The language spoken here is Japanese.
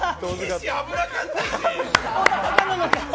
岸、危なかったし。